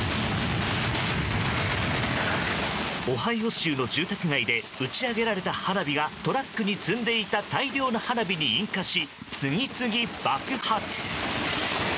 オハイオ州の住宅街で打ち上げられた花火がトラックに積んでいた大量の花火に引火し次々爆発。